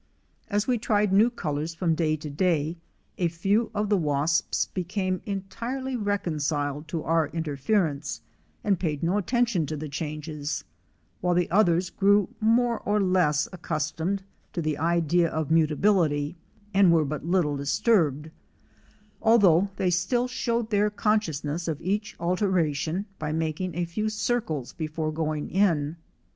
As we tried new colors from day to day a few of the wasps became entirely reconciled to our inter ference, and paid no attention to the changes, while the others grew more or less accustomed to the idea of muta bility, and were but little disturbed, although they still showed their consciousness of each alteration by making a few circles before going in.